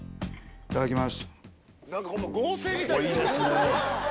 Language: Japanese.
いただきます。